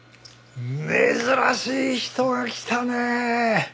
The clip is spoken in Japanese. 珍しい人が来たね。